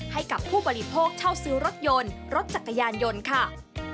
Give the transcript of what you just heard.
ให้กับผู้บริโภคเช่าซื้อรถยนต์รถจักรยานยนต์ค่ะ